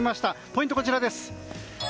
ポイントはこちらです。